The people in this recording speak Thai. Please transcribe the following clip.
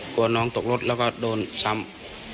กลัวน้องตกรถแล้วก็โดนซ้ำ